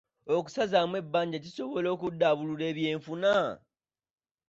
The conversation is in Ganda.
Okusazaamu ebbanja kisobola okuddaabulula ebyenfuna?